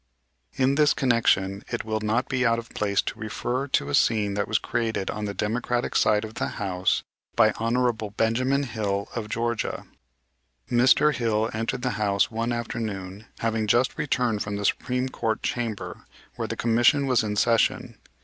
In this connection it will not be out of place to refer to a scene that was created on the Democratic side of the House by Hon. Ben. Hill, of Georgia. Mr. Hill entered the House one afternoon, having just returned from the Supreme Court Chamber, where the commission was in session.